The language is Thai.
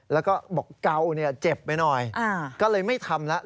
แล้วก็บอกเก่าเจ็บไปหน่อยก็เลยไม่ทำแล้ว